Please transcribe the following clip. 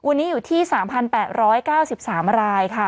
วันนี้อยู่ที่๓๘๙๓รายค่ะ